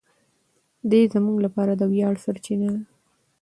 دی زموږ لپاره د ویاړ سرچینه ده.